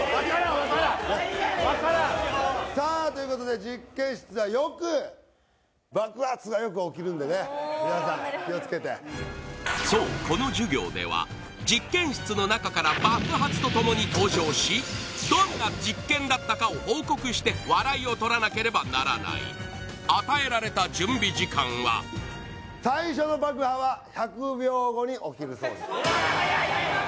何やねんそれさあということでよくおおなるほど皆さん気をつけてそうこの授業では実験室の中から爆発とともに登場しどんな実験だったかを報告して笑いをとらなければならない与えられた準備時間は最初の爆破は１００秒後に起きるそうです早い！